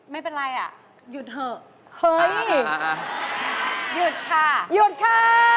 ไม่เป็นไรหยุดเถอะอ่าหยุดค่ะหยุดค่ะ